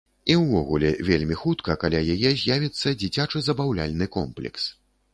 І увогуле, вельмі хутка каля яе з'явіцца дзіцячы забаўляльны комплекс.